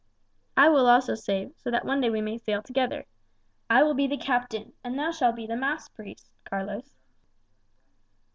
"I will also save, so that one day we may sail together. I will be the captain, and thou shall be the mass priest, Carlos."